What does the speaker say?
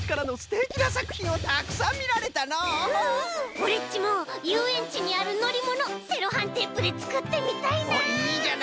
オレっちもゆうえんちにあるのりものセロハンテープでつくってみたいな！